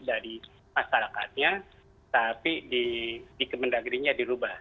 dari masyarakatnya tapi di kemendagri nya dirubah